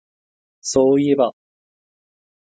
そういえば